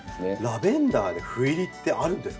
ラベンダーで斑入りってあるんですか？